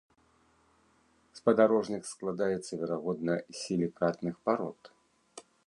Спадарожнік складаецца, верагодна, з сілікатных парод.